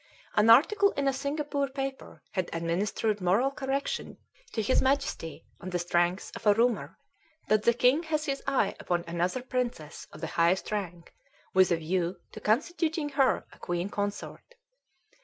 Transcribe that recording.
An article in a Singapore paper had administered moral correction to his Majesty on the strength of a rumor that "the king has his eye upon another princess of the highest rank, with a view to constituting her a queen consort."